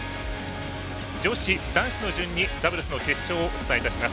女子、男子の順にダブルスの決勝をお伝えします。